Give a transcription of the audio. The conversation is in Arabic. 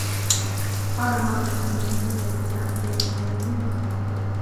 لقد قاد مرض سامي النّفسي لارتكاب شيء لا يمكن تصوّره.